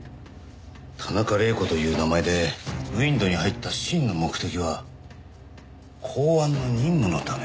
田中玲子という名前でＷＩＮＤに入った真の目的は公安の任務のため。